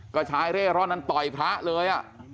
ก็ชายเร่ร่อนนั้นต่อยพระเลย